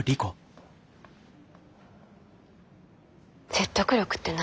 説得力って何？